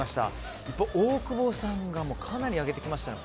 大久保さんがかなり上げてきましたね。